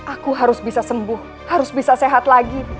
aku harus bisa sembuh harus bisa sehat lagi